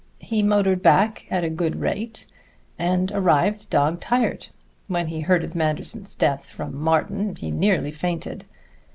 He motored back at a good rate, and arrived dog tired. When he heard of Manderson's death from Martin, he nearly fainted.